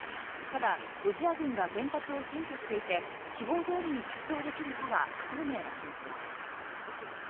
ただ、ロシア軍が原発を占拠していて希望どおりに活動できるかは不透明な状況です。